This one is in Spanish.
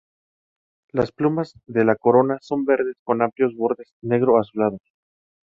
Las plumas de la corona son verdes con amplios bordes negro-azulados.